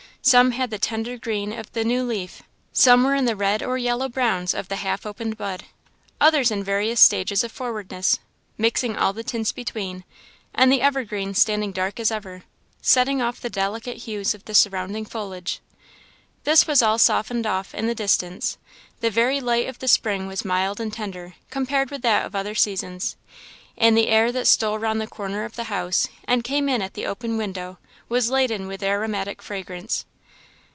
Some had the tender green of the new leaf, some were in the red or yellow browns of the half opened bud; others in various stages of forwardness, mixing all the tints between, and the evergreens standing dark as ever, setting off the delicate hues of the surrounding foliage. This was all softened off in the distance; the very light of the spring was mild and tender compared with that of other seasons; and the air that stole round the corner of the house and came in at the open window was laden with aromatic fragrance.